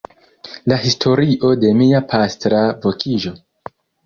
La historio de mia pastra vokiĝo?